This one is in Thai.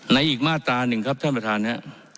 อีกมาตราหนึ่งครับท่านประธานครับ